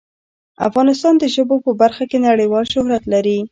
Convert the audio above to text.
افغانستان د ژبو په برخه کې نړیوال شهرت لري.